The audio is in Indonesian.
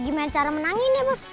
gimana cara menangin ya mas